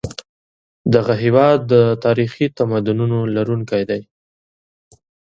دغه هېواد د تاریخي تمدنونو لرونکی دی.